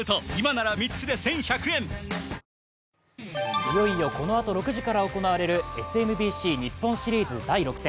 いよいよこのあと６時から行われるＳＭＢＣ日本シリーズ第６戦。